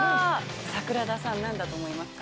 桜田さん、何だと思いますか。